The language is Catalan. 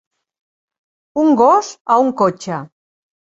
Un gos a un cotxe.